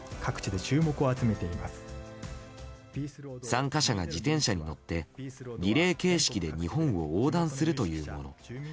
参加者が自転車に乗ってリレー形式で日本を横断するというもの。